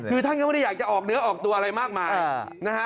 คือท่านก็ไม่ได้อยากจะออกเนื้อออกตัวอะไรมากมายนะฮะ